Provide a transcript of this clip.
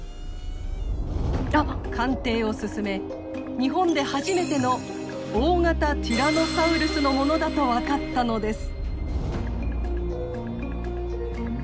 鑑定を進め日本で初めての大型ティラノサウルスのものだと分かったのです。